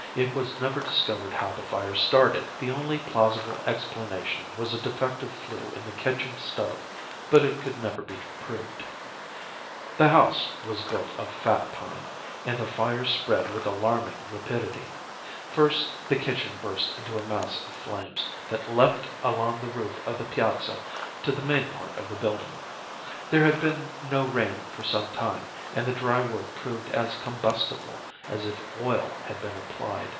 It was never discovered how the fire started. The only plausible explanation was a defective flue in the kitchen stove, but it could never be proved. The house was built of fat pine, and the fire spread with alarming rapidity. First the kitchen burst into a mass of flames that leaped along the roof of the piazza to the main part of the building. There had been no rain for some time, and the dry wood proved as combustible as if oil had been applied.